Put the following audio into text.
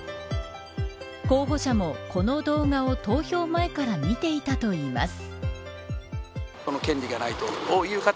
候補者も、この動画を投票前から見ていたといいます。